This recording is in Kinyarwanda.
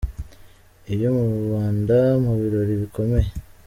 iyo mu Rwanda Mu birori bikomeye.